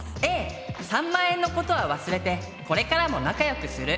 Ａ３万円のことは忘れてこれからも仲よくする。